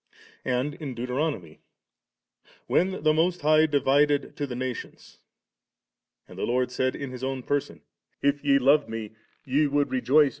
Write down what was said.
And in Deuter onomy, * When the Most High divided to the nationsV And the Lord said in His own Person, * If ye loved Me, ye would rejoice a.